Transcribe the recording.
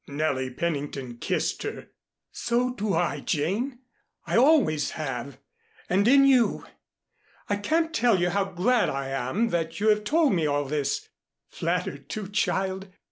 Nellie Pennington kissed her. "So do I, Jane. I always have and in you. I can't tell you how glad I am that you have told me all this. Flattered, too, child.